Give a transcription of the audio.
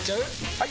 ・はい！